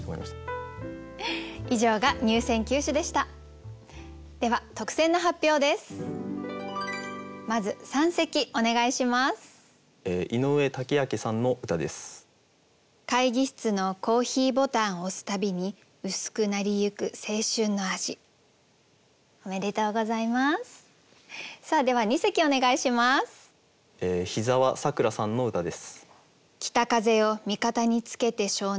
檜澤さくらさんの歌です。